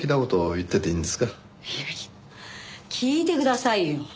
いやいや聞いてくださいよ。